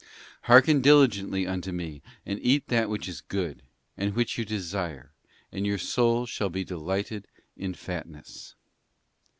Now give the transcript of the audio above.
*¢ Hearken diligently unto Me and eat that which is good,' and which you desire, 'and your soul shall be delighted in fatness.